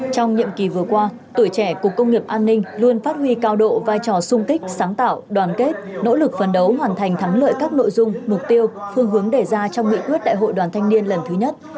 trong nhiệm kỳ vừa qua tuổi trẻ cục công nghiệp an ninh luôn phát huy cao độ vai trò sung kích sáng tạo đoàn kết nỗ lực phấn đấu hoàn thành thắng lợi các nội dung mục tiêu phương hướng đề ra trong nghị quyết đại hội đoàn thanh niên lần thứ nhất